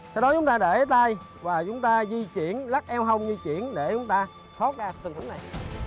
sau đó chúng ta để tay và chúng ta di chuyển lắc eo hông di chuyển để chúng ta khóc ra từng hình này